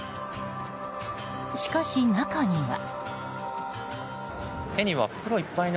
しかし、中には。